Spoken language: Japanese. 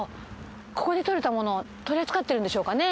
ここで獲れたものを取り扱ってるんでしょうかね。